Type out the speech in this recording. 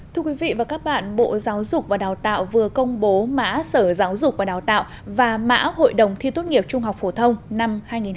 thưa quý vị và các bạn bộ giáo dục và đào tạo vừa công bố mã sở giáo dục và đào tạo và mã hội đồng thi tốt nghiệp trung học phổ thông năm hai nghìn hai mươi